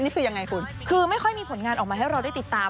นี่คือยังไงคุณคือไม่ค่อยมีผลงานออกมาให้เราได้ติดตาม